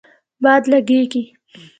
باد لږیږی